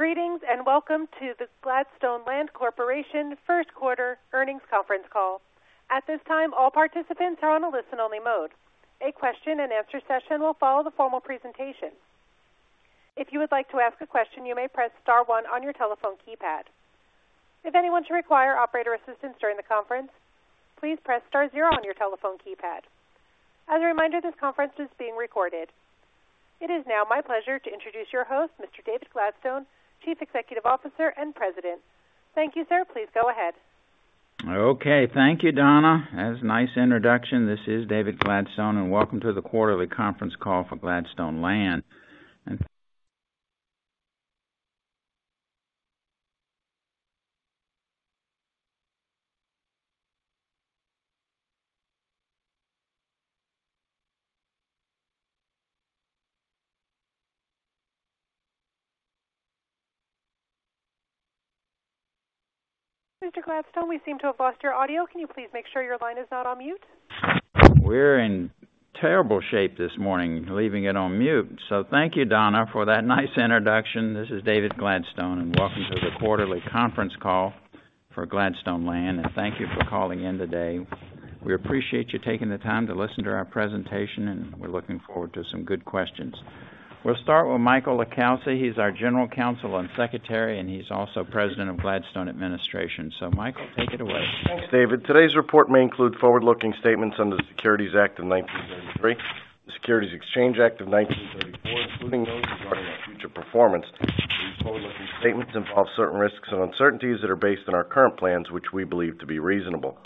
Greetings, and welcome to the Gladstone Land Corporation first quarter earnings conference call. At this time, all participants are on a listen-only mode. A question-and-answer session will follow the formal presentation. If you would like to ask a question, you may press star one on your telephone keypad. If anyone should require operator assistance during the conference, please press star zero on your telephone keypad. As a reminder, this conference is being recorded. It is now my pleasure to introduce your host, Mr. David Gladstone, Chief Executive Officer and President. Thank you, sir. Please go ahead. Okay. Thank you, Donna. That was a nice introduction. This is David Gladstone, and welcome to the quarterly conference call for Gladstone Land. Mr. Gladstone, we seem to have lost your audio. Can you please make sure your line is not on mute? We're in terrible shape this morning, leaving it on mute. Thank you, Donna, for that nice introduction. This is David Gladstone, and welcome to the quarterly conference call for Gladstone Land, and thank you for calling in today. We appreciate you taking the time to listen to our presentation, and we're looking forward to some good questions. We'll start with Michael LiCalsi. He's our General Counsel and Secretary, and he's also President of Gladstone Administration. Michael, take it away. Thanks, David. Today's report may include forward-looking statements under the Securities Act of 1933, the Securities Exchange Act of 1934, including those regarding our future performance. These forward-looking statements involve certain risks and uncertainties that are based on our current plans, which we believe to be reasonable,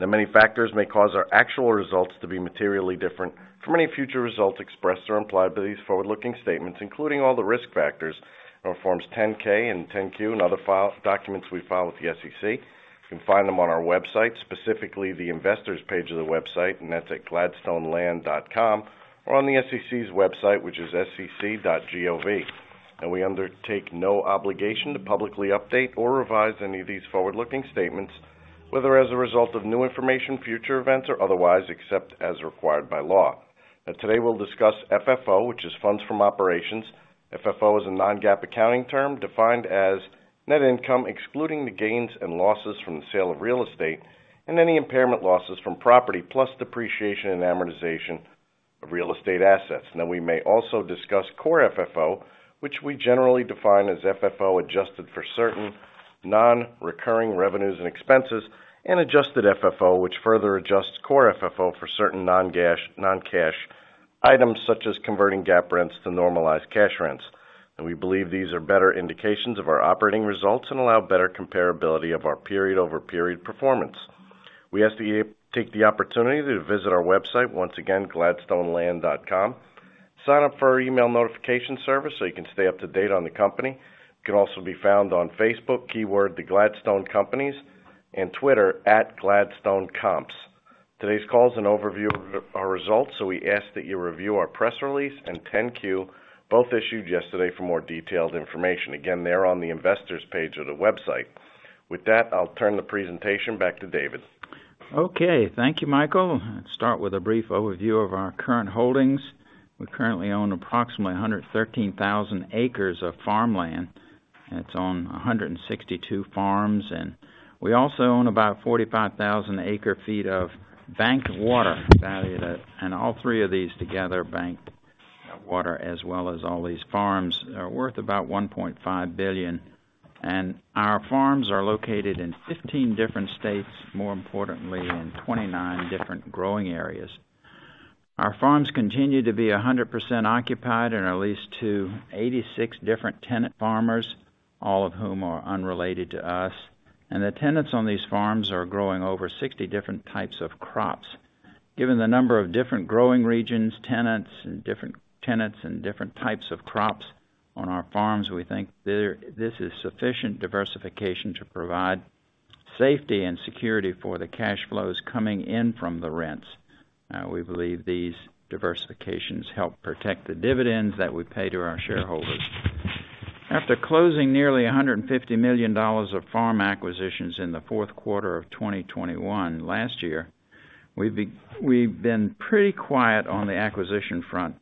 that many factors may cause our actual results to be materially different from any future results expressed or implied by these forward-looking statements, including all the risk factors in our Forms 10-K and 10-Q and other filed documents we file with the SEC. You can find them on our website, specifically the Investors page of the website, and that's at gladstoneland.com, or on the SEC's website, which is sec.gov. We undertake no obligation to publicly update or revise any of these forward-looking statements, whether as a result of new information, future events, or otherwise, except as required by law. Now today we'll discuss FFO, which is funds from operations. FFO is a non-GAAP accounting term defined as net income, excluding the gains and losses from the sale of real estate and any impairment losses from property, plus depreciation and amortization of real estate assets. Now, we may also discuss core FFO, which we generally define as FFO adjusted for certain non-recurring revenues and expenses, and adjusted FFO, which further adjusts core FFO for certain non-cash items such as converting GAAP rents to normalized cash rents. We believe these are better indications of our operating results and allow better comparability of our period-over-period performance. We ask that you take the opportunity to visit our website. Once again, gladstoneland.com. Sign up for our email notification service so you can stay up to date on the company. We can also be found on Facebook, keyword The Gladstone Companies, and Twitter, @GladstoneComps. Today's call is an overview of our results, so we ask that you review our press release and 10-Q, both issued yesterday, for more detailed information. Again, they're on the Investors page of the website. With that, I'll turn the presentation back to David. Okay. Thank you, Michael. Start with a brief overview of our current holdings. We currently own approximately 113,000 acres of farmland. That's on 162 farms. We also own about 45,000 acre-feet of banked water, valued at. All three of these together, banked water as well as all these farms, are worth about $1.5 billion. Our farms are located in 15 different states, more importantly, in 29 different growing areas. Our farms continue to be 100% occupied and are leased to 86 different tenant farmers, all of whom are unrelated to us. The tenants on these farms are growing over 60 different types of crops. Given the number of different growing regions, tenants, and different tenants and different types of crops on our farms, we think this is sufficient diversification to provide safety and security for the cash flows coming in from the rents. We believe these diversifications help protect the dividends that we pay to our shareholders. After closing nearly $150 million of farm acquisitions in the fourth quarter of 2021 last year, we've been pretty quiet on the acquisition front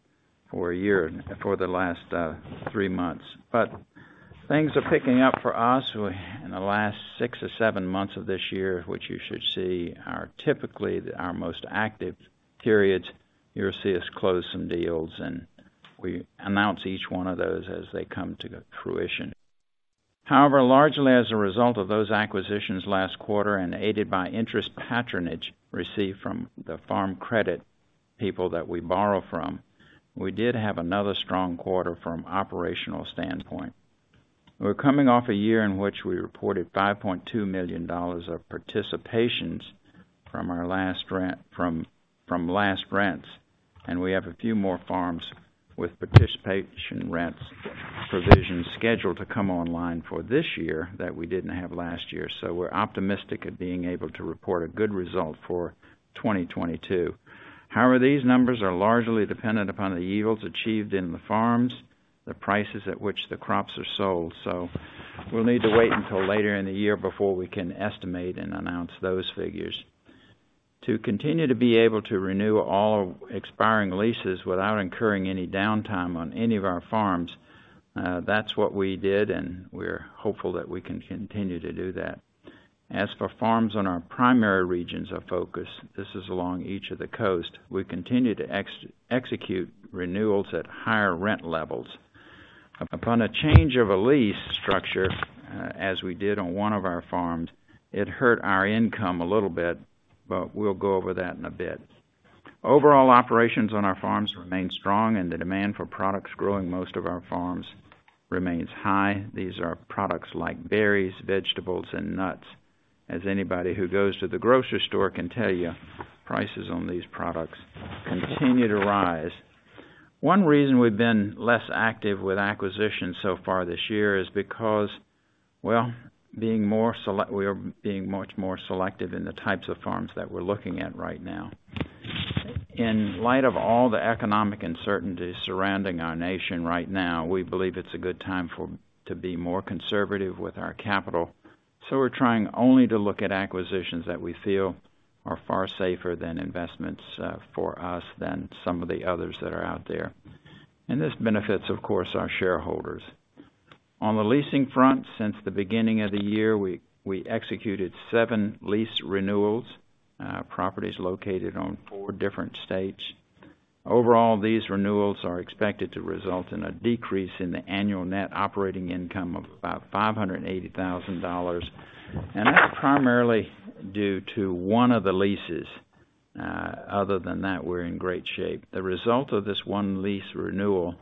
for the last three months. Things are picking up for us in the last six or seven months of this year, which you should see are typically our most active periods. You'll see us close some deals, and we announce each one of those as they come to fruition. However, largely as a result of those acquisitions last quarter and aided by interest patronage received from the Farm Credit people that we borrow from, we did have another strong quarter from an operational standpoint. We're coming off a year in which we reported $5.2 million of participations from our last rents, and we have a few more farms with participation rents provisions scheduled to come online for this year that we didn't have last year. We're optimistic at being able to report a good result for 2022. However, these numbers are largely dependent upon the yields achieved in the farms, the prices at which the crops are sold. We'll need to wait until later in the year before we can estimate and announce those figures. To continue to be able to renew all expiring leases without incurring any downtime on any of our farms, that's what we did, and we're hopeful that we can continue to do that. As for farms on our primary regions of focus, this is along each of the coast, we continue to execute renewals at higher rent levels. Upon a change of a lease structure, as we did on one of our farms, it hurt our income a little bit, but we'll go over that in a bit. Overall operations on our farms remain strong and the demand for products grown on most of our farms remains high. These are products like berries, vegetables, and nuts. As anybody who goes to the grocery store can tell you, prices on these products continue to rise. One reason we've been less active with acquisitions so far this year is because, well, we are being much more selective in the types of farms that we're looking at right now. In light of all the economic uncertainty surrounding our nation right now, we believe it's a good time to be more conservative with our capital, so we're trying only to look at acquisitions that we feel are far safer than investments, for us than some of the others that are out there. This benefits, of course, our shareholders. On the leasing front, since the beginning of the year, we executed seven lease renewals, properties located on four different states. Overall, these renewals are expected to result in a decrease in the annual net operating income of about $580,000. That's primarily due to one of the leases. Other than that, we're in great shape. The result of this one lease renewal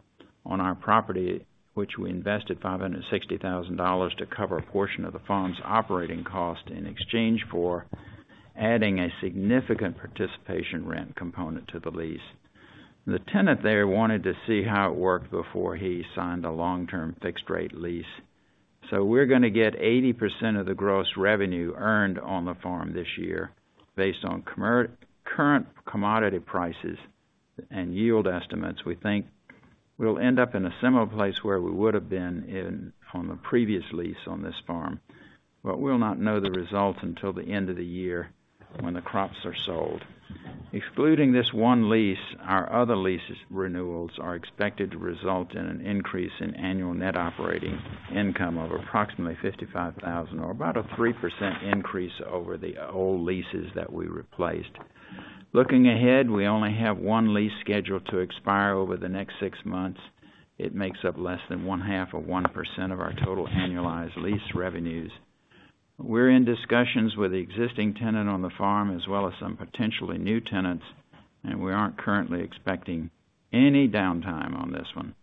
on our property, which we invested $560,000 to cover a portion of the farm's operating cost in exchange for adding a significant participation rent component to the lease. The tenant there wanted to see how it worked before he signed a long-term fixed rate lease. We're gonna get 80% of the gross revenue earned on the farm this year. Based on current commodity prices and yield estimates, we think we'll end up in a similar place where we would have been in on the previous lease on this farm, but we'll not know the result until the end of the year when the crops are sold. Excluding this one lease, our other lease renewals are expected to result in an increase in annual net operating income of approximately $55,000 or about a 3% increase over the old leases that we replaced. Looking ahead, we only have one lease scheduled to expire over the next six months. It makes up less than one half of 1% of our total annualized lease revenues. We're in discussions with the existing tenant on the farm as well as some potentially new tenants, and we aren't currently expecting any downtime on this one.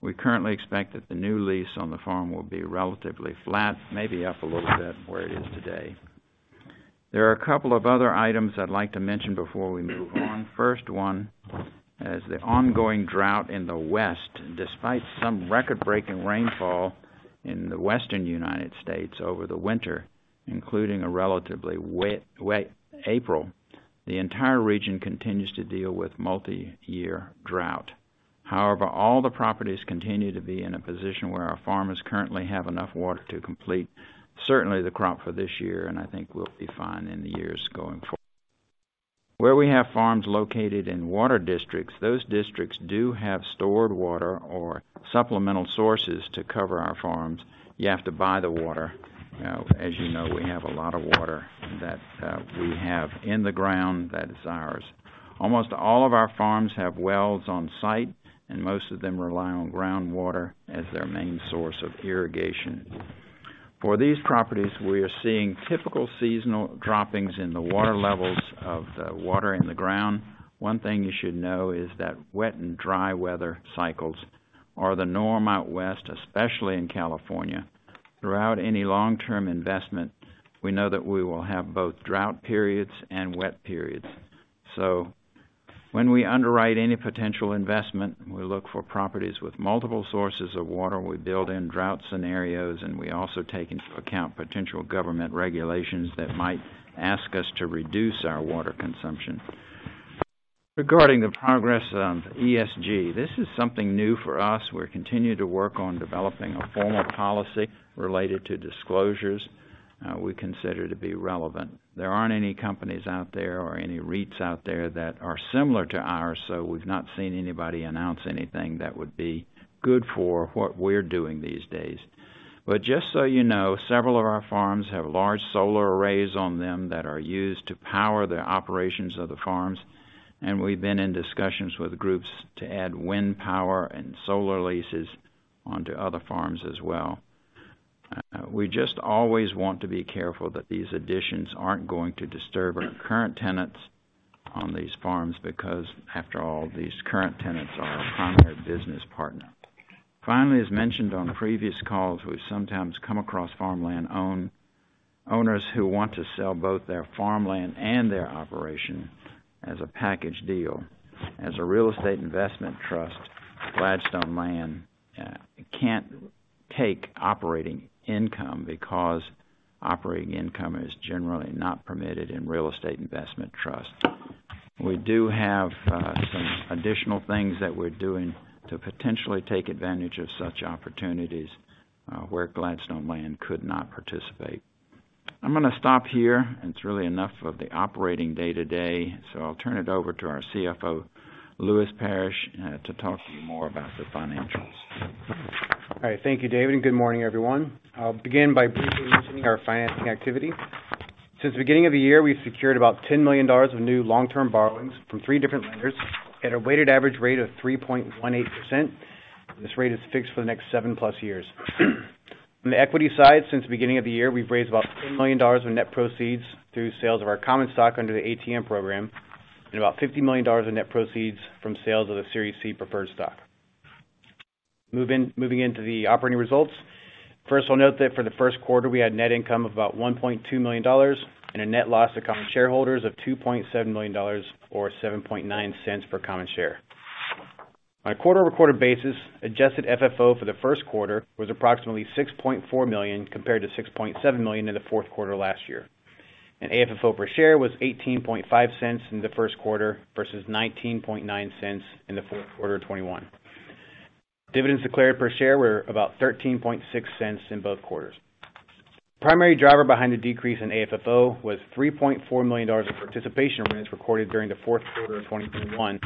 We currently expect that the new lease on the farm will be relatively flat, maybe up a little bit where it is today. There are a couple of other items I'd like to mention before we move on. First one is the ongoing drought in the West. Despite some record-breaking rainfall in the Western United States over the winter, including a relatively wet April, the entire region continues to deal with multi-year drought. However, all the properties continue to be in a position where our farmers currently have enough water to complete certainly the crop for this year, and I think we'll be fine in the years going forward. Where we have farms located in water districts, those districts do have stored water or supplemental sources to cover our farms. You have to buy the water. You know, as you know, we have a lot of water that, we have in the ground that is ours. Almost all of our farms have wells on site, and most of them rely on groundwater as their main source of irrigation. For these properties, we are seeing typical seasonal droppings in the water levels of the water in the ground. One thing you should know is that wet and dry weather cycles are the norm out West, especially in California. Throughout any long-term investment, we know that we will have both drought periods and wet periods. When we underwrite any potential investment, we look for properties with multiple sources of water, we build in drought scenarios, and we also take into account potential government regulations that might ask us to reduce our water consumption. Regarding the progress on ESG, this is something new for us. We continue to work on developing a formal policy related to disclosures, we consider to be relevant. There aren't any companies out there or any REITs out there that are similar to ours, so we've not seen anybody announce anything that would be good for what we're doing these days. Just so you know, several of our farms have large solar arrays on them that are used to power the operations of the farms, and we've been in discussions with groups to add wind power and solar leases onto other farms as well. We just always want to be careful that these additions aren't going to disturb our current tenants on these farms because after all, these current tenants are our primary business partner. Finally, as mentioned on previous calls, we sometimes come across farmland owners who want to sell both their farmland and their operation as a package deal. As a real estate investment trust, Gladstone Land can't take operating income because operating income is generally not permitted in real estate investment trusts. We do have some additional things that we're doing to potentially take advantage of such opportunities where Gladstone Land could not participate. I'm gonna stop here. It's really enough of the operating day-to-day. I'll turn it over to our CFO, Lewis Parrish, to talk to you more about the financials. All right. Thank you, David, and good morning, everyone. I'll begin by briefly mentioning our financing activity. Since the beginning of the year, we've secured about $10 million of new long-term borrowings from three different lenders at a weighted average rate of 3.18%. This rate is fixed for the next 7+ years. On the equity side, since the beginning of the year, we've raised about $10 million in net proceeds through sales of our common stock under the ATM program and about $50 million in net proceeds from sales of the Series C preferred stock. Moving into the operating results. First, I'll note that for the first quarter we had net income of about $1.2 million and a net loss to common shareholders of $2.7 million or $0.079 per common share. On a quarter-over-quarter basis, adjusted FFO for the first quarter was approximately $6.4 million, compared to $6.7 million in the fourth quarter last year. AFFO per share was $0.185 in the first quarter versus $0.199 in the fourth quarter of 2021. Dividends declared per share were about $0.136 in both quarters. The primary driver behind the decrease in AFFO was $3.4 million of participation rents recorded during the fourth quarter of 2021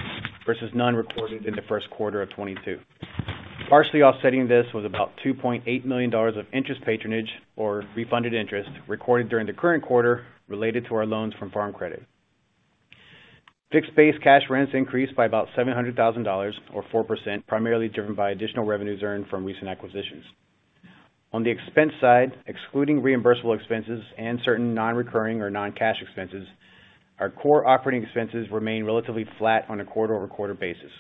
versus none recorded in the first quarter of 2022. Partially offsetting this was about $2.8 million of interest patronage or refunded interest recorded during the current quarter related to our loans from Farm Credit. Fixed base cash rents increased by about $700,000 or 4%, primarily driven by additional revenues earned from recent acquisitions. On the expense side, excluding reimbursable expenses and certain non-recurring or non-cash expenses, our core operating expenses remain relatively flat on a quarter-over-quarter basis.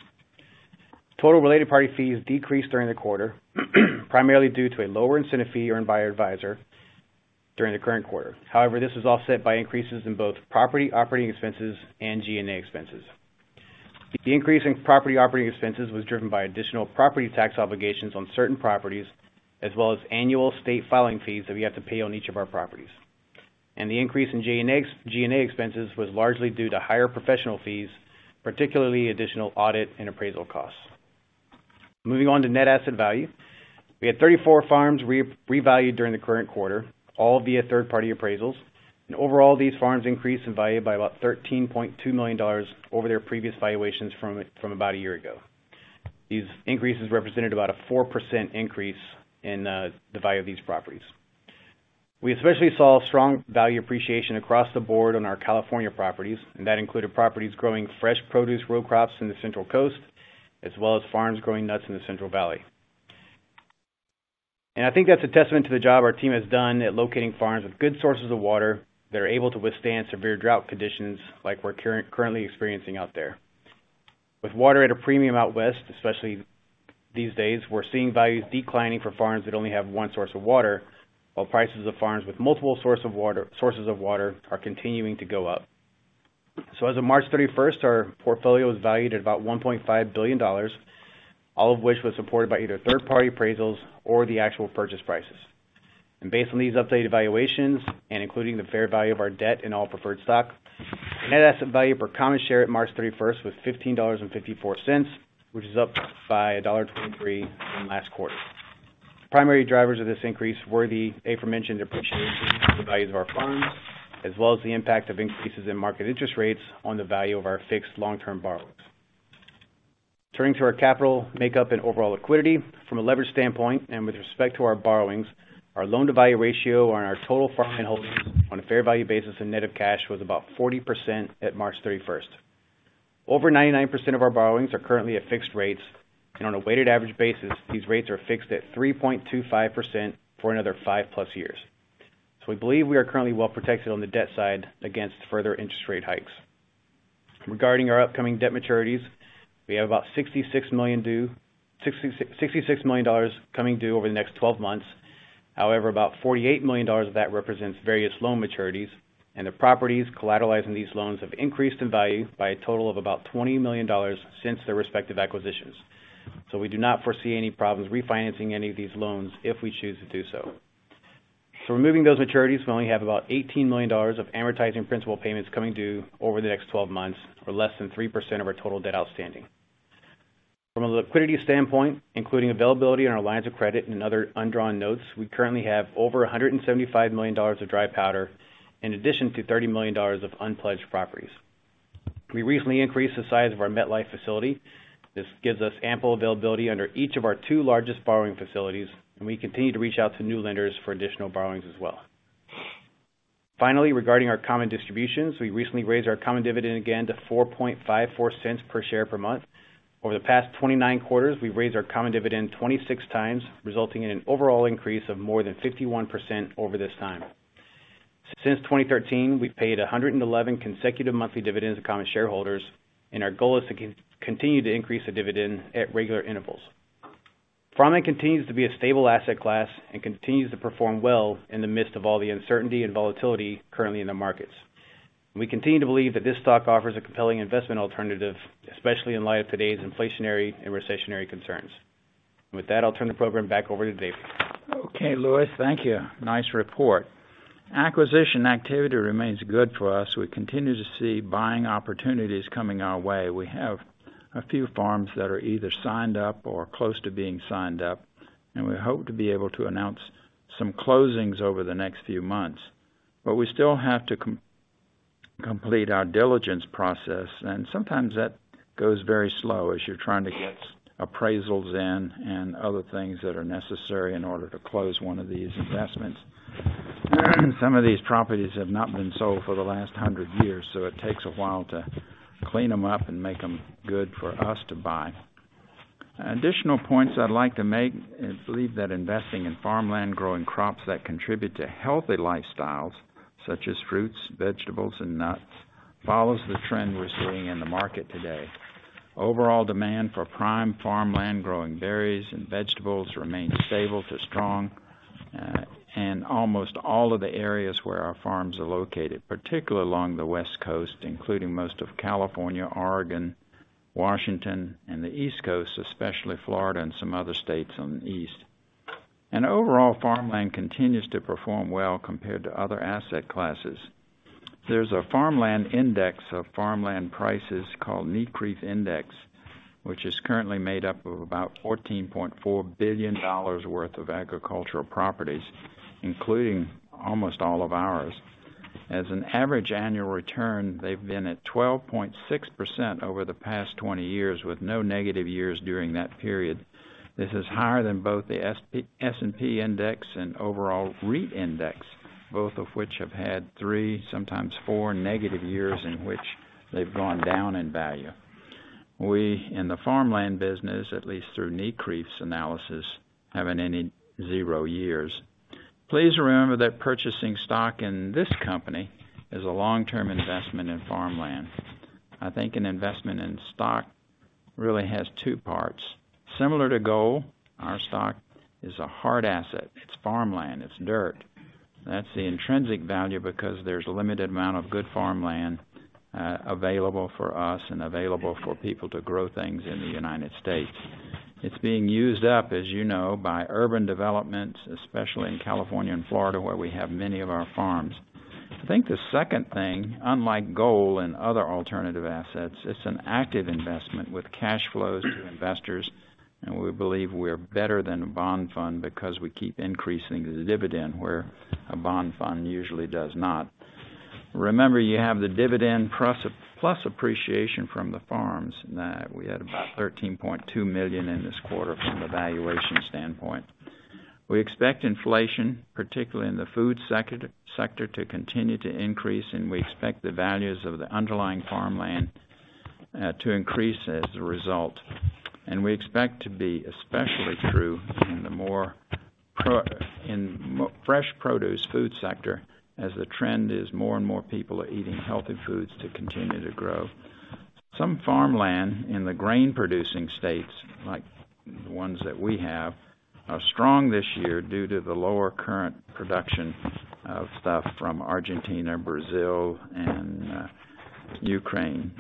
Total related party fees decreased during the quarter, primarily due to a lower incentive fee earned by our advisor during the current quarter. However, this was offset by increases in both property operating expenses and G&A expenses. The increase in property operating expenses was driven by additional property tax obligations on certain properties, as well as annual state filing fees that we have to pay on each of our properties. The increase in G&A expenses was largely due to higher professional fees, particularly additional audit and appraisal costs. Moving on to net asset value. We had 34 farms revalued during the current quarter, all via third-party appraisals. Overall, these farms increased in value by about $13.2 million over their previous valuations from about a year ago. These increases represented about a 4% increase in the value of these properties. We especially saw strong value appreciation across the board on our California properties, and that included properties growing fresh produce row crops in the Central Coast, as well as farms growing nuts in the Central Valley. I think that's a testament to the job our team has done at locating farms with good sources of water that are able to withstand severe drought conditions like we're currently experiencing out there. With water at a premium out west, especially these days, we're seeing values declining for farms that only have one source of water, while prices of farms with multiple sources of water are continuing to go up. As of March 31st, our portfolio was valued at about $1.5 billion, all of which was supported by either third-party appraisals or the actual purchase prices. Based on these updated valuations and including the fair value of our debt and all preferred stock, the net asset value per common share at March 31st was $15.54, which is up by $1.23 from last quarter. The primary drivers of this increase were the aforementioned appreciation in the values of our farms, as well as the impact of increases in market interest rates on the value of our fixed long-term borrowings. Turning to our capital makeup and overall liquidity. From a leverage standpoint and with respect to our borrowings, our loan-to-value ratio on our total farm and holdings on a fair value basis and net of cash was about 40% at March 31. Over 99% of our borrowings are currently at fixed rates, and on a weighted average basis, these rates are fixed at 3.25% for another 5+ years. We believe we are currently well protected on the debt side against further interest rate hikes. Regarding our upcoming debt maturities, we have about $66 million dollars coming due over the next 12 months. However, about $48 million dollars of that represents various loan maturities and the properties collateralizing these loans have increased in value by a total of about $20 million dollars since their respective acquisitions. We do not foresee any problems refinancing any of these loans if we choose to do so. Removing those maturities, we only have about $18 million of amortizing principal payments coming due over the next 12 months, or less than 3% of our total debt outstanding. From a liquidity standpoint, including availability on our lines of credit and other undrawn notes, we currently have over $175 million of dry powder in addition to $30 million of unpledged properties. We recently increased the size of our MetLife facility. This gives us ample availability under each of our two largest borrowing facilities, and we continue to reach out to new lenders for additional borrowings as well. Finally, regarding our common distributions, we recently raised our common dividend again to $0.0454 per share per month. Over the past 29 quarters, we've raised our common dividend 26 times, resulting in an overall increase of more than 51% over this time. Since 2013, we've paid 111 consecutive monthly dividends to common shareholders, and our goal is to continue to increase the dividend at regular intervals. Farming continues to be a stable asset class and continues to perform well in the midst of all the uncertainty and volatility currently in the markets. We continue to believe that this stock offers a compelling investment alternative, especially in light of today's inflationary and recessionary concerns. With that, I'll turn the program back over to David. Okay, Lewis. Thank you. Nice report. Acquisition activity remains good for us. We continue to see buying opportunities coming our way. We have a few farms that are either signed up or close to being signed up, and we hope to be able to announce some closings over the next few months. We still have to complete our diligence process, and sometimes that goes very slow as you're trying to get appraisals in and other things that are necessary in order to close one of these investments. Some of these properties have not been sold for the last 100 years, so it takes a while to clean them up and make them good for us to buy. Additional points I'd like to make is believe that investing in farmland, growing crops that contribute to healthy lifestyles such as fruits, vegetables, and nuts, follows the trend we're seeing in the market today. Overall demand for prime farmland growing berries and vegetables remains stable to strong in almost all of the areas where our farms are located, particularly along the West Coast, including most of California, Oregon, Washington, and the East Coast, especially Florida and some other states on the east. Overall, farmland continues to perform well compared to other asset classes. There's a farmland index of farmland prices called NCREIF Index, which is currently made up of about $14.4 billion worth of agricultural properties, including almost all of ours. As an average annual return, they've been at 12.6% over the past 20 years, with no negative years during that period. This is higher than both the S&P Index and overall REIT Index, both of which have had three, sometimes four, negative years in which they've gone down in value. We, in the farmland business, at least through NCREIF's analysis, haven't any zero years. Please remember that purchasing stock in this company is a long-term investment in farmland. I think an investment in stock really has two parts. Similar to gold, our stock is a hard asset. It's farmland. It's dirt. That's the intrinsic value because there's a limited amount of good farmland, available for us and available for people to grow things in the United States. It's being used up, as you know, by urban developments, especially in California and Florida, where we have many of our farms. I think the second thing, unlike gold and other alternative assets, it's an active investment with cash flows to investors, and we believe we're better than a bond fund because we keep increasing the dividend, where a bond fund usually does not. Remember, you have the dividend plus appreciation from the farms, we had about $13.2 million in this quarter from a valuation standpoint. We expect inflation, particularly in the food sector, to continue to increase, and we expect the values of the underlying farmland to increase as a result. We expect to be especially true in fresh produce food sector, as the trend is more and more people are eating healthy foods to continue to grow. Some farmland in the grain-producing states, like ones that we have, are strong this year due to the lower current production of stuff from Argentina, Brazil, and Ukraine.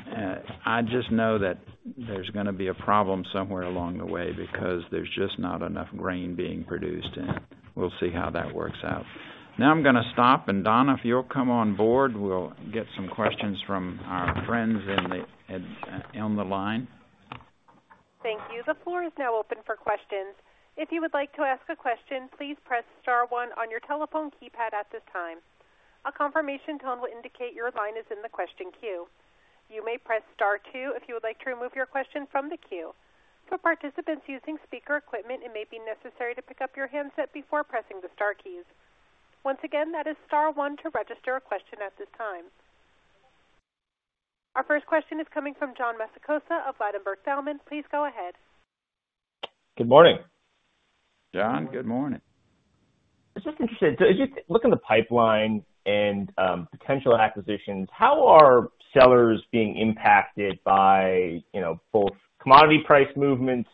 I just know that there's gonna be a problem somewhere along the way because there's just not enough grain being produced, and we'll see how that works out. Now I'm gonna stop and, Donna, if you'll come on board, we'll get some questions from our friends on the line. Thank you. The floor is now open for questions. If you would like to ask a question, please press star one on your telephone keypad at this time. A confirmation tone will indicate your line is in the question queue. You may press star two if you would like to remove your question from the queue. For participants using speaker equipment, it may be necessary to pick up your handset before pressing the star keys. Once again, that is star one to register a question at this time. Our first question is coming from John Massocca of Ladenburg Thalmann. Please go ahead. Good morning. John, good morning. It's just interesting. As you look in the pipeline and potential acquisitions, how are sellers being impacted by, you know, both commodity price movements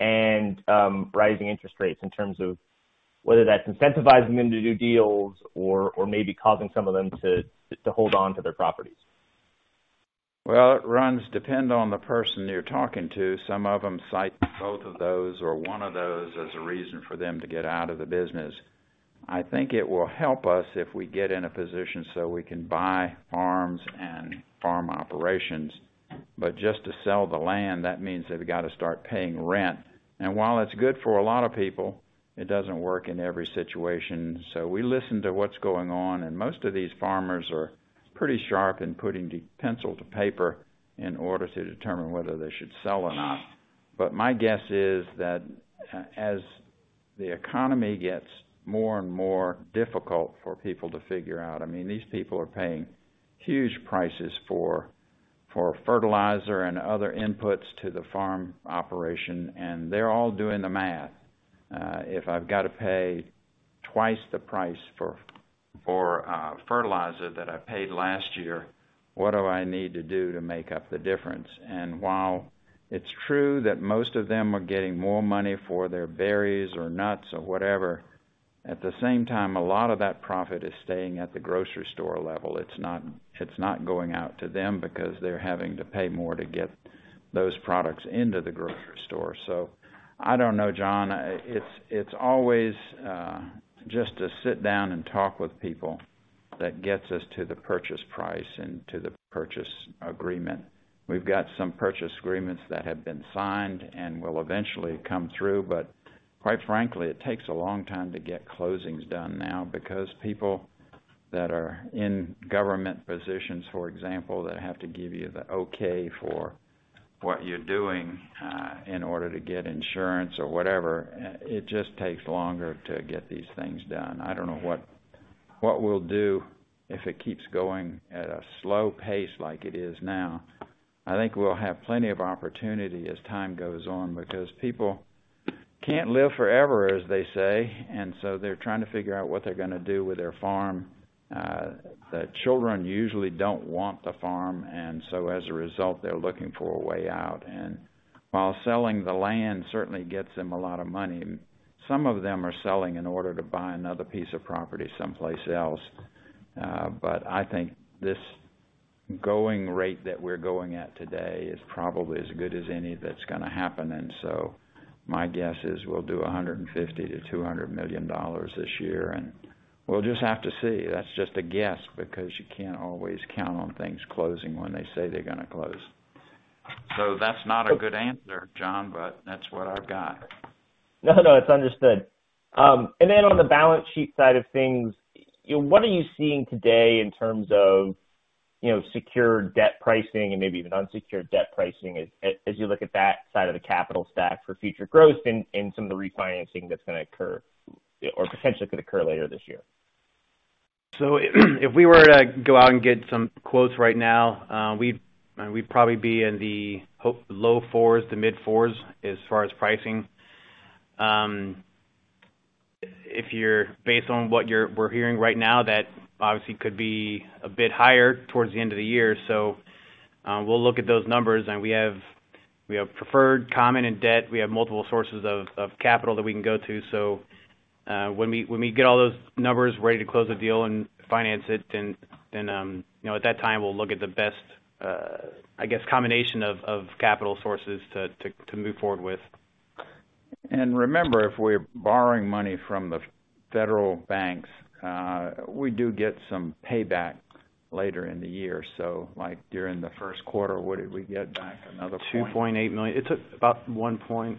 and rising interest rates in terms of whether that's incentivizing them to do deals or maybe causing some of them to hold on to their properties? Well, it really depends on the person you're talking to. Some of them cite both of those or one of those as a reason for them to get out of the business. I think it will help us if we get in a position so we can buy farms and farm operations. Just to sell the land, that means they've got to start paying rent. While it's good for a lot of people, it doesn't work in every situation. We listen to what's going on, and most of these farmers are pretty sharp in putting the pencil to paper in order to determine whether they should sell or not. My guess is that as the economy gets more and more difficult for people to figure out, I mean, these people are paying huge prices for fertilizer and other inputs to the farm operation, and they're all doing the math. If I've got to pay twice the price for fertilizer that I paid last year, what do I need to do to make up the difference? While it's true that most of them are getting more money for their berries or nuts or whatever. At the same time, a lot of that profit is staying at the grocery store level. It's not going out to them because they're having to pay more to get those products into the grocery store. I don't know, John. It's always just to sit down and talk with people that gets us to the purchase price and to the purchase agreement. We've got some purchase agreements that have been signed and will eventually come through. Quite frankly, it takes a long time to get closings done now because people that are in government positions, for example, that have to give you the okay for what you're doing, in order to get insurance or whatever, it just takes longer to get these things done. I don't know what we'll do if it keeps going at a slow pace like it is now. I think we'll have plenty of opportunity as time goes on because people can't live forever, as they say, and so they're trying to figure out what they're gonna do with their farm. The children usually don't want the farm, and so as a result, they're looking for a way out. While selling the land certainly gets them a lot of money, some of them are selling in order to buy another piece of property someplace else. I think this going rate that we're going at today is probably as good as any that's gonna happen. My guess is we'll do $150 million-$200 million this year, and we'll just have to see. That's just a guess, because you can't always count on things closing when they say they're gonna close. That's not a good answer, John, but that's what I've got. No, no, it's understood. On the balance sheet side of things, you know, what are you seeing today in terms of, you know, secured debt pricing and maybe even unsecured debt pricing as you look at that side of the capital stack for future growth and some of the refinancing that's gonna occur or potentially could occur later this year? If we were to go out and get some quotes right now, we'd probably be in the low 4s to mid-4s as far as pricing. Based on what we're hearing right now, that obviously could be a bit higher towards the end of the year. We'll look at those numbers, and we have preferred, common and debt. We have multiple sources of capital that we can go to. When we get all those numbers ready to close the deal and finance it, then you know, at that time, we'll look at the best, I guess, combination of capital sources to move forward with. Remember, if we're borrowing money from the federal banks, we do get some payback later in the year. Like, during the first quarter, what did we get back? Another $2.8 million. It took about 1.3%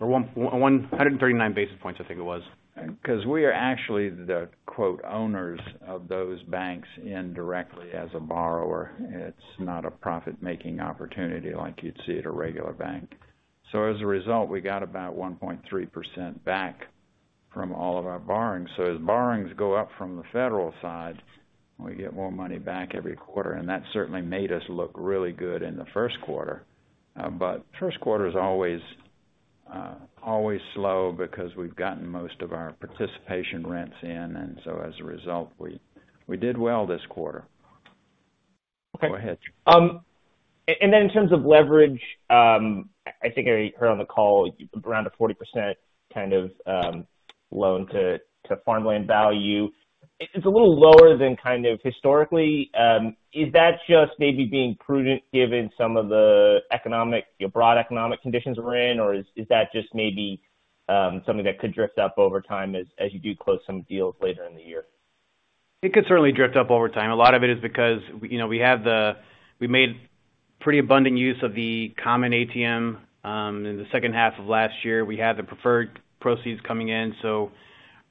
or 139 basis points, I think it was. 'Cause we are actually the quote, "owners" of those banks indirectly as a borrower. It's not a profit-making opportunity like you'd see at a regular bank. So as a result, we got about 1.3% back from all of our borrowings. So as borrowings go up from the federal side, we get more money back every quarter, and that certainly made us look really good in the first quarter. But first quarter is always slow because we've gotten most of our participation rents in, and so as a result, we did well this quarter. Okay. Go ahead. In terms of leverage, I think I heard on the call around a 40% kind of loan-to-farmland value. It's a little lower than kind of historically. Is that just maybe being prudent given some of the economic, you know, broad economic conditions we're in, or is that just maybe something that could drift up over time as you do close some deals later in the year? It could certainly drift up over time. A lot of it is because, you know, we made pretty abundant use of the common ATM in the second half of last year. We had the preferred proceeds coming in.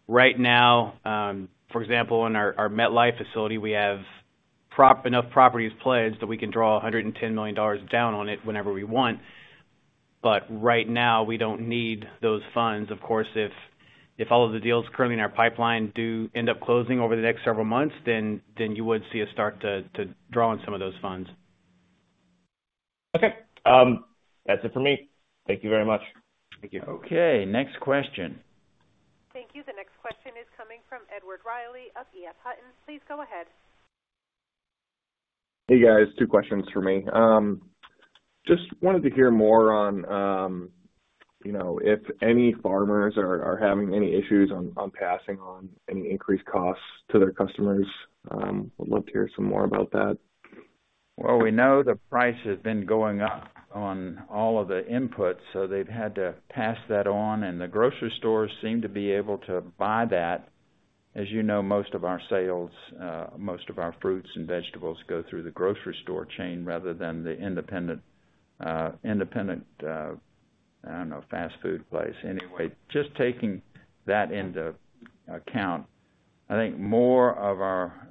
Right now, for example, in our MetLife facility, we have enough properties pledged that we can draw $110 million down on it whenever we want. Right now, we don't need those funds. Of course, if all of the deals currently in our pipeline do end up closing over the next several months, then you would see us start to draw on some of those funds. Okay. That's it for me. Thank you very much. Thank you. Okay, next question. Thank you. The next question is coming from Edward Reilly of EF Hutton. Please go ahead. Hey, guys. Two questions from me. Just wanted to hear more on, you know, if any farmers are having any issues on passing on any increased costs to their customers. Would love to hear some more about that. Well, we know the price has been going up on all of the inputs, so they've had to pass that on, and the grocery stores seem to be able to buy that. As you know, most of our fruits and vegetables go through the grocery store chain rather than the independent, I don't know, fast food place. Anyway, just taking that into account, I think more of our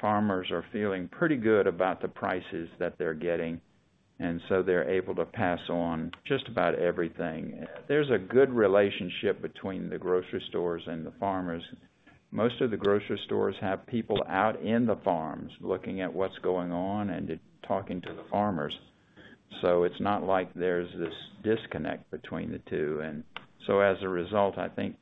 farmers are feeling pretty good about the prices that they're getting, and so they're able to pass on just about everything. There's a good relationship between the grocery stores and the farmers. Most of the grocery stores have people out in the farms looking at what's going on and talking to the farmers. It's not like there's this disconnect between the two. As a result, I think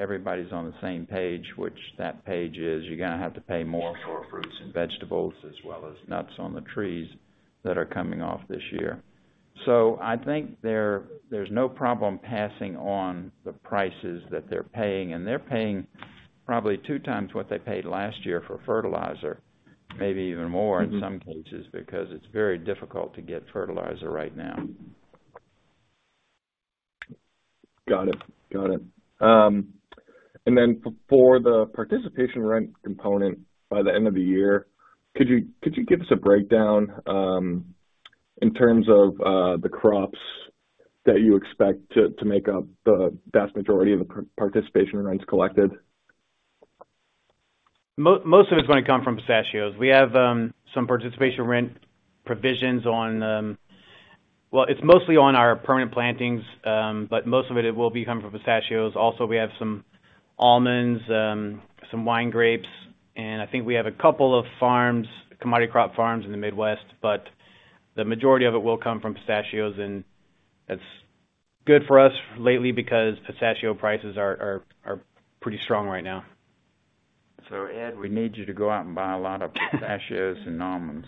everybody's on the same page, which that page is you're gonna have to pay more for fruits and vegetables as well as nuts on the trees that are coming off this year. I think there's no problem passing on the prices that they're paying. They're paying probably two times what they paid last year for fertilizer, maybe even more in some cases, because it's very difficult to get fertilizer right now. Got it. Then for the participation rent component by the end of the year, could you give us a breakdown in terms of the crops that you expect to make up the vast majority of the participation rents collected? Most of it's gonna come from pistachios. We have some participation rent provisions on. Well, it's mostly on our permanent plantings, but most of it will be coming from pistachios. Also, we have some almonds, some wine grapes, and I think we have a couple of farms, commodity crop farms in the Midwest, but the majority of it will come from pistachios, and that's good for us lately because pistachio prices are pretty strong right now. Ed, we need you to go out and buy a lot of pistachios and almonds.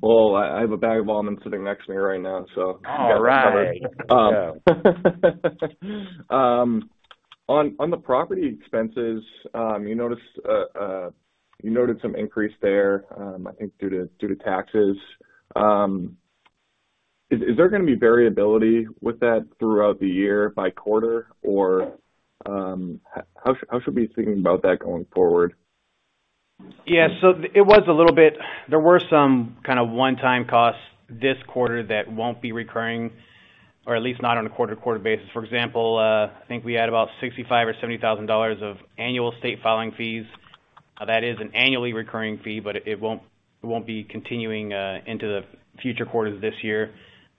Well, I have a bag of almonds sitting next to me right now, so. All right. On the property expenses, you noted some increase there, I think due to taxes. Is there gonna be variability with that throughout the year by quarter? Or, how should we be thinking about that going forward? Yeah. It was a little bit. There were some kind of one-time costs this quarter that won't be recurring, or at least not on a quarter-to-quarter basis. For example, I think we had about $65,000 or $70,000 of annual state filing fees. That is an annually recurring fee, but it won't be continuing into the future quarters this year.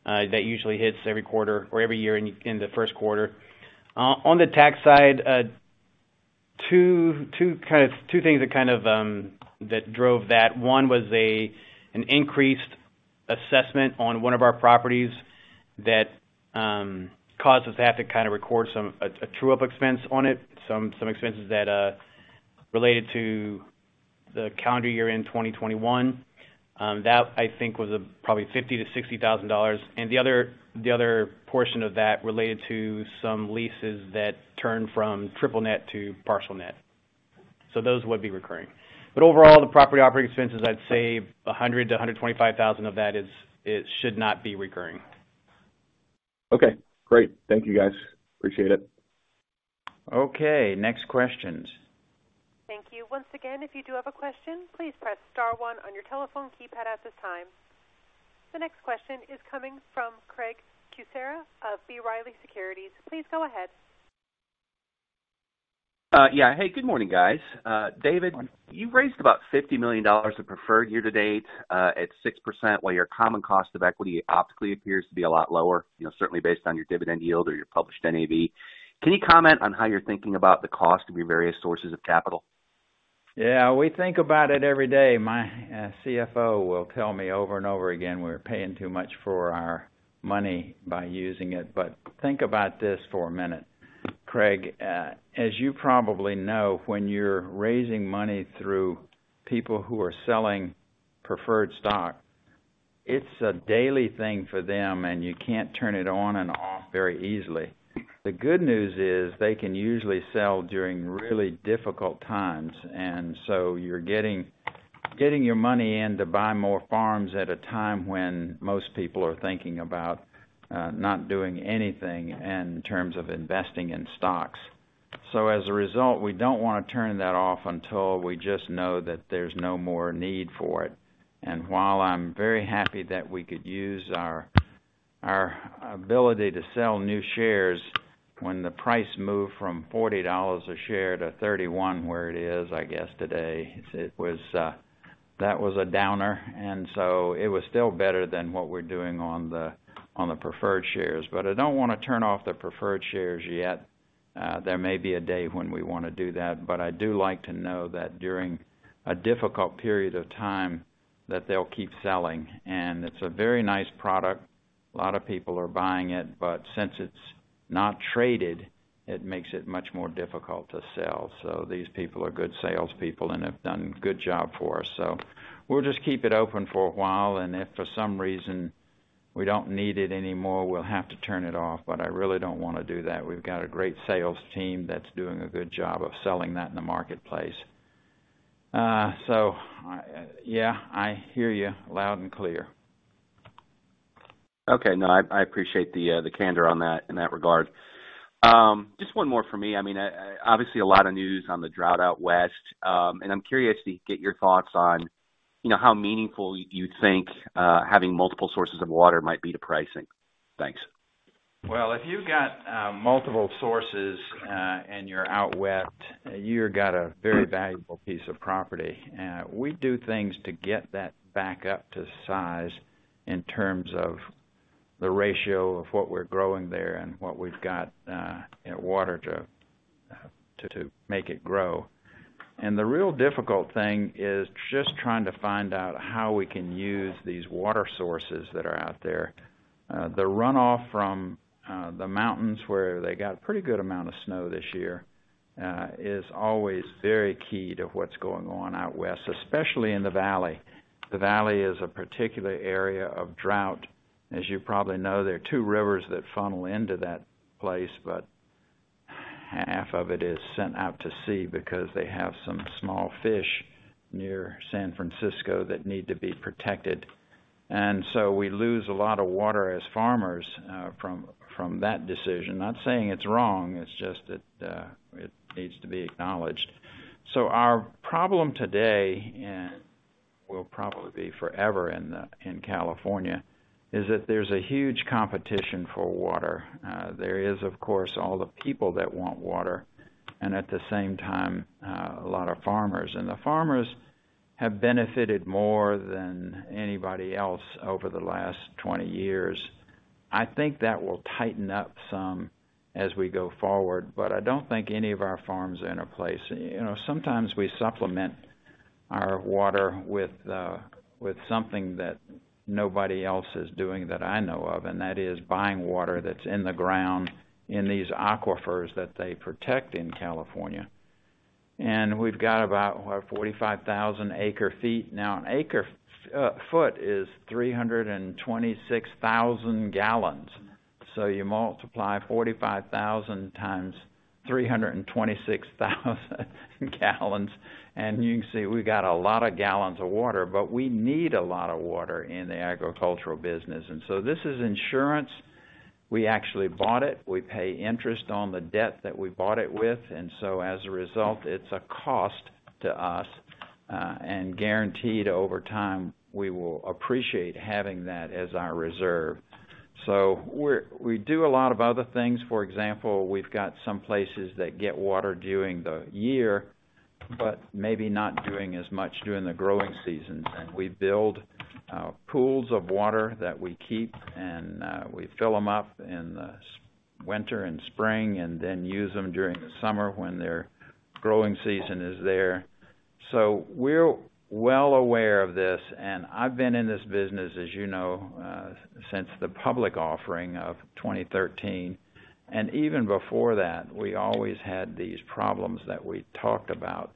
That usually hits every year in the first quarter. On the tax side, two things that kind of drove that. One was an increased assessment on one of our properties that caused us to have to kind of record a true-up expense on it, some expenses that related to the calendar year-end 2021. That I think was probably $50,000-$60,000. The other portion of that related to some leases that turned from triple net to partial net. Those would be recurring. Overall, the property operating expenses, I'd say $100 thousand-$125 thousand of that is. It should not be recurring. Okay, great. Thank you, guys. Appreciate it. Okay, next questions. Thank you. Once again, if you do have a question, please press star one on your telephone keypad at this time. The next question is coming from Craig Kucera of B. Riley Securities. Please go ahead. Hey, good morning, guys. David, you've raised about $50 million of preferred year to date, at 6%, while your common cost of equity optically appears to be a lot lower, you know, certainly based on your dividend yield or your published NAV. Can you comment on how you're thinking about the cost of your various sources of capital? Yeah, we think about it every day. My CFO will tell me over and over again, we're paying too much for our money by using it. Think about this for a minute, Craig. As you probably know, when you're raising money through people who are selling preferred stock, it's a daily thing for them, and you can't turn it on and off very easily. The good news is they can usually sell during really difficult times, and so you're getting your money in to buy more farms at a time when most people are thinking about not doing anything in terms of investing in stocks. As a result, we don't wanna turn that off until we just know that there's no more need for it. While I'm very happy that we could use our ability to sell new shares when the price moved from $40 a share to $31, where it is, I guess today, it was that was a downer. It was still better than what we're doing on the preferred shares. I don't wanna turn off the preferred shares yet. There may be a day when we wanna do that, but I do like to know that during a difficult period of time that they'll keep selling. It's a very nice product. A lot of people are buying it, but since it's not traded, it makes it much more difficult to sell. These people are good salespeople and have done a good job for us. We'll just keep it open for a while, and if for some reason we don't need it anymore, we'll have to turn it off, but I really don't wanna do that. We've got a great sales team that's doing a good job of selling that in the marketplace. Yeah, I hear you loud and clear. Okay. No, I appreciate the candor on that in that regard. Just one more for me. I mean, obviously a lot of news on the drought out west. I'm curious to get your thoughts on, you know, how meaningful you think having multiple sources of water might be to pricing. Thanks. Well, if you've got multiple sources and you're out West, you've got a very valuable piece of property. We do things to get that back up to size in terms of the ratio of what we're growing there and what we've got, you know, water to make it grow. The real difficult thing is just trying to find out how we can use these water sources that are out there. The runoff from the mountains where they got a pretty good amount of snow this year is always very key to what's going on out west, especially in the Valley. The Valley is a particular area of drought. As you probably know, there are two rivers that funnel into that place, but half of it is sent out to sea because they have some small fish near San Francisco that need to be protected. We lose a lot of water as farmers from that decision. Not saying it's wrong, it's just that it needs to be acknowledged. Our problem today, and will probably be forever in California, is that there's a huge competition for water. There is, of course, all the people that want water and at the same time a lot of farmers. The farmers have benefited more than anybody else over the last 20 years. I think that will tighten up some as we go forward, but I don't think any of our farms are in a place. You know, sometimes we supplement our water with something that nobody else is doing that I know of, and that is buying water that's in the ground in these aquifers that they protect in California. We've got about, what? 45,000 acre-feet. Now, an acre foot is 326,000 gallons. You multiply 45,000 times 326,000 gallons, and you can see we got a lot of gallons of water, but we need a lot of water in the agricultural business. This is insurance. We actually bought it. We pay interest on the debt that we bought it with, and so as a result, it's a cost to us, and guaranteed over time, we will appreciate having that as our reserve. We do a lot of other things. For example, we've got some places that get water during the year, but maybe not doing as much during the growing seasons. We build pools of water that we keep, and we fill them up in the winter and spring, and then use them during the summer when their growing season is there. We're well aware of this, and I've been in this business, as you know, since the public offering of 2013. Even before that, we always had these problems that we talked about.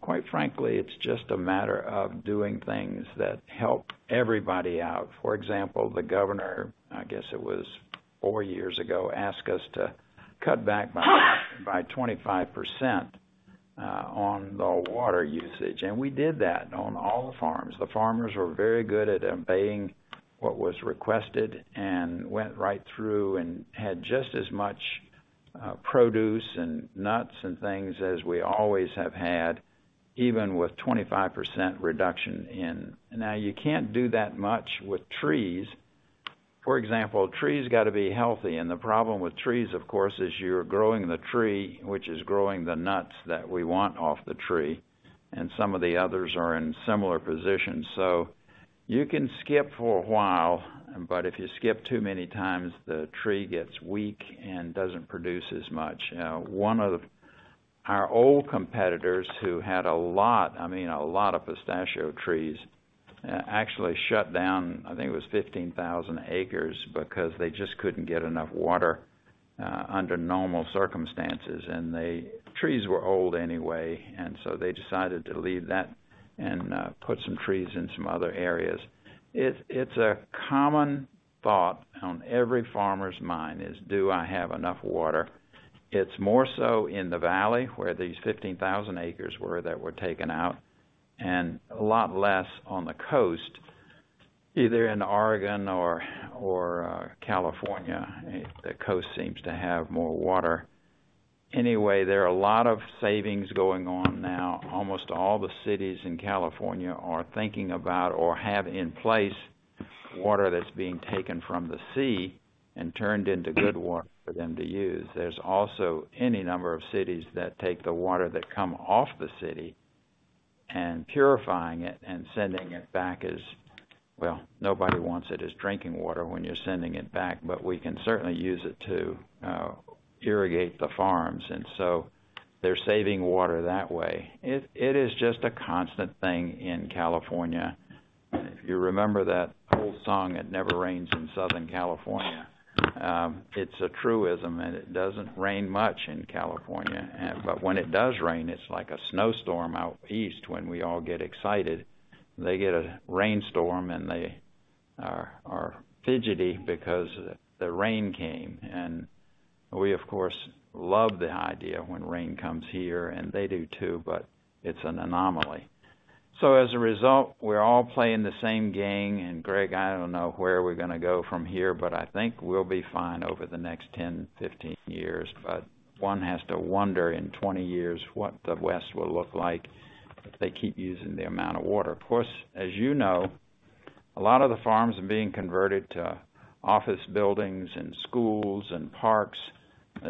Quite frankly, it's just a matter of doing things that help everybody out. For example, the governor, I guess it was four years ago, asked us to cut back by 25% on the water usage. We did that on all the farms. The farmers were very good at obeying what was requested and went right through and had just as much, produce and nuts and things as we always have had, even with 25% reduction in. Now you can't do that much with trees. For example, trees gotta be healthy, and the problem with trees, of course, is you're growing the tree, which is growing the nuts that we want off the tree, and some of the others are in similar positions. You can skip for a while, but if you skip too many times, the tree gets weak and doesn't produce as much. One of our old competitors who had a lot, I mean, a lot of pistachio trees, actually shut down, I think it was 15,000 acres because they just couldn't get enough water, under normal circumstances. The trees were old anyway, and so they decided to leave that and put some trees in some other areas. It's a common thought on every farmer's mind: "Do I have enough water?" It's more so in the Valley where these 15,000 acres were that were taken out, and a lot less on the coast, either in Oregon or California. The coast seems to have more water. Anyway, there are a lot of savings going on now. Almost all the cities in California are thinking about or have in place water that's being taken from the sea and turned into good water for them to use. There's also any number of cities that take the water that come off the city and purifying it and sending it back as Well, nobody wants it as drinking water when you're sending it back, but we can certainly use it to irrigate the farms. They're saving water that way. It is just a constant thing in California. If you remember that old song, It Never Rains in Southern California, it's a truism, and it doesn't rain much in California. But when it does rain, it's like a snowstorm out east when we all get excited. They get a rainstorm, and they are fidgety because the rain came. We, of course, love the idea when rain comes here, and they do too, but it's an anomaly. As a result, we're all playing the same game. Craig, I don't know where we're gonna go from here, but I think we'll be fine over the next 10, 15 years. One has to wonder in 20 years what the West will look like if they keep using the amount of water. Of course, as you know, a lot of the farms are being converted to office buildings and schools and parks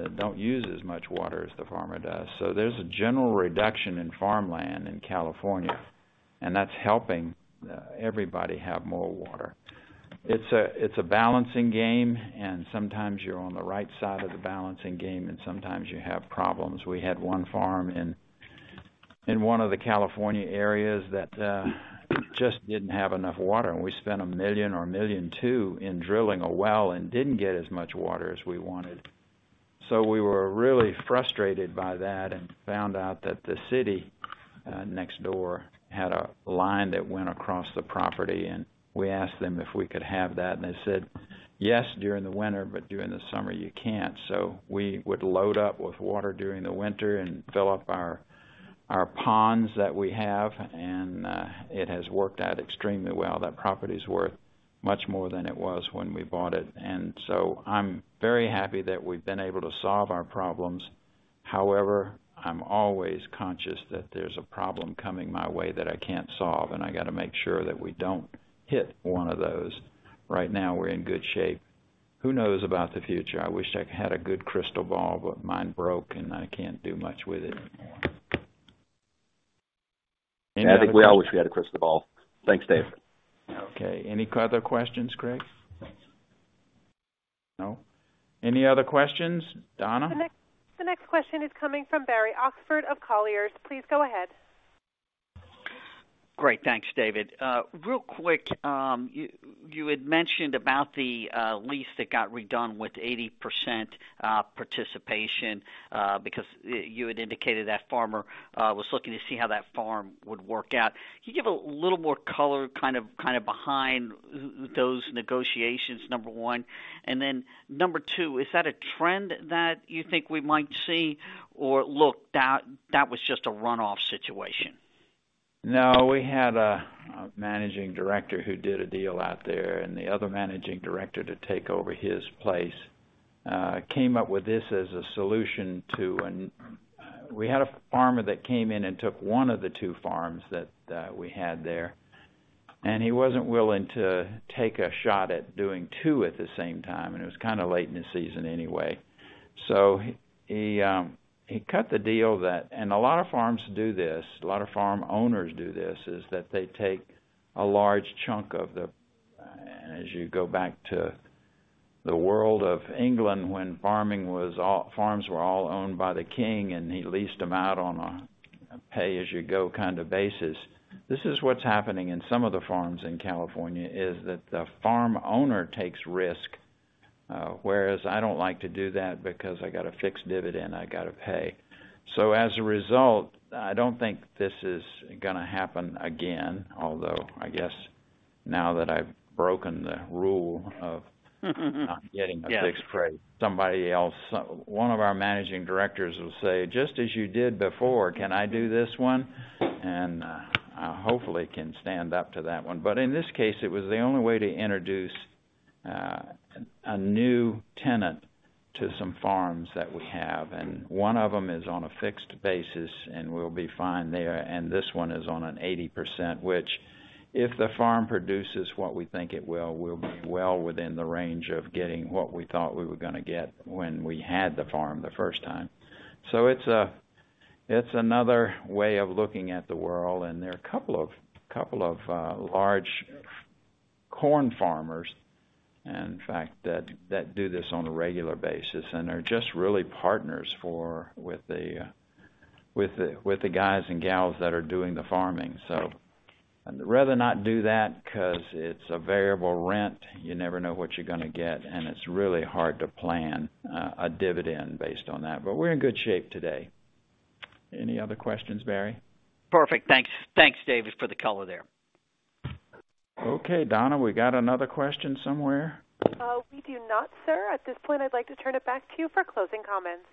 that don't use as much water as the farmer does. So there's a general reduction in farmland in California, and that's helping everybody have more water. It's a balancing game, and sometimes you're on the right side of the balancing game, and sometimes you have problems. We had one farm in one of the California areas that just didn't have enough water, and we spent $1 million or $1.2 million in drilling a well and didn't get as much water as we wanted. We were really frustrated by that and found out that the city next door had a line that went across the property, and we asked them if we could have that. They said, "Yes, during the winter, but during the summer, you can't." We would load up with water during the winter and fill up our ponds that we have, and it has worked out extremely well. That property's worth much more than it was when we bought it. I'm very happy that we've been able to solve our problems. However, I'm always conscious that there's a problem coming my way that I can't solve, and I gotta make sure that we don't hit one of those. Right now, we're in good shape. Who knows about the future? I wish I had a good crystal ball, but mine broke, and I can't do much with it anymore. I think we all wish we had a crystal ball. Thanks, Dave. Okay. Any other questions, Craig? No. Any other questions? Donna? The next question is coming from Barry Oxford of Colliers. Please go ahead. Great. Thanks, David. Real quick, you had mentioned about the lease that got redone with 80% participation, because you had indicated that farmer was looking to see how that farm would work out. Can you give a little more color kind of behind those negotiations, number one? Then, number two, is that a trend that you think we might see, or that was just a runoff situation? No, we had a managing director who did a deal out there, and the other managing director to take over his place came up with this as a solution to. We had a farmer that came in and took one of the two farms that we had there, and he wasn't willing to take a shot at doing two at the same time, and it was kinda late in the season anyway. He cut the deal that. A lot of farms do this, a lot of farm owners do this, is that they take a large chunk of the. As you go back to the world of England when farms were all owned by the king, and he leased them out on a pay-as-you-go kind of basis. This is what's happening in some of the farms in California, is that the farm owner takes risk, whereas I don't like to do that because I got a fixed dividend I gotta pay. As a result, I don't think this is gonna happen again. Although, I guess now that I've broken the rule of- Yes Not getting a fixed price, somebody else, one of our managing directors will say, "Just as you did before, can I do this one?" I hopefully can stand up to that one. In this case, it was the only way to introduce a new tenant to some farms that we have. One of them is on a fixed basis, and we'll be fine there. This one is on an 80%, which if the farm produces what we think it will, we'll be well within the range of getting what we thought we were gonna get when we had the farm the first time. It's another way of looking at the world, and there are a couple of large corn farmers, in fact, that do this on a regular basis and are just really partners with the guys and gals that are doing the farming. I'd rather not do that 'cause it's a variable rent. You never know what you're gonna get, and it's really hard to plan a dividend based on that. We're in good shape today. Any other questions, Barry? Perfect. Thanks. Thanks, David, for the color there. Okay, Donna, we got another question somewhere? We do not, sir. At this point, I'd like to turn it back to you for closing comments.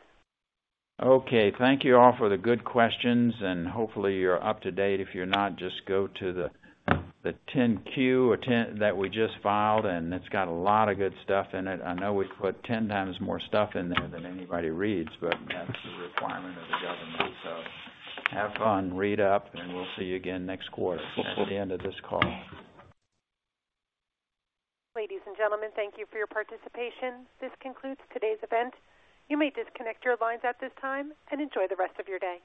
Okay. Thank you all for the good questions, and hopefully you're up to date. If you're not, just go to the 10-Q or 10-K that we just filed, and it's got a lot of good stuff in it. I know we put 10 times more stuff in there than anybody reads, but that's a requirement of the government. Have fun, read up, and we'll see you again next quarter. That's the end of this call. Ladies and gentlemen, thank you for your participation. This concludes today's event. You may disconnect your lines at this time and enjoy the rest of your day.